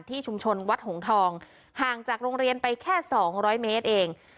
ชุมชนวัดหงทองห่างจากโรงเรียนไปแค่๒๐๐เมตรเอง